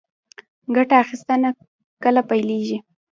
ګټه اخیستنه کله پیلیږي؟